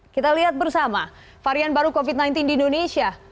kita lihat bersama varian baru covid sembilan belas di indonesia